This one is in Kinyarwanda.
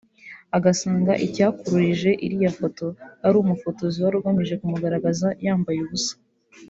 agasanga icyakuririje iriya foto ari umufotozi wari ugamije kumugaragaza yambaye ubusa